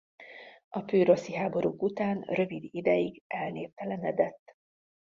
A pürrhoszi háborúk után rövid ideig elnéptelenedett.